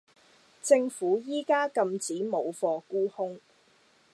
政府依家禁止冇貨沽空